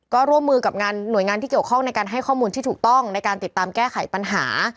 ก็ร่วมมือกับหน่วยงานที่เกี่ยวข้องในการให้ข้อมูลที่ถูกต้องในการติดตามแก้ไขปัญหา